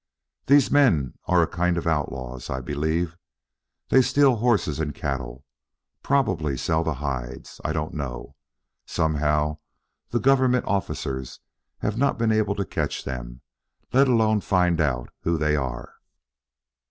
"These men are a kind of outlaws, I believe. They steal horses and cattle. Probably sell the hides I don't know. Somehow the Government officers have not been able to catch them, let alone to find out who they are."